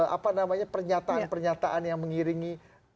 apa namanya pernyataan pernyataan yang mengiringi